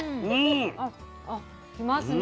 あっあっきますね。